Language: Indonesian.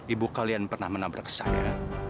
ibu kalian pernah menabrak saya